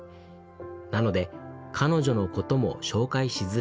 なので彼女の事も紹介しづらいのです。